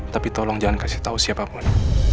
tapi tolong jangan kasih tahu siapapun